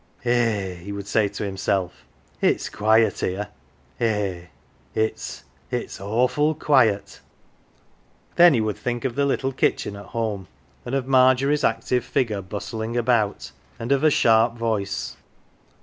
" Eh,"" he would say to himself, " it's quiet here ! Eh, it's if s awful quiet !" Then he would think of the little kitchen at home, and of Margery's active figure bustling about, and of her sharp voice.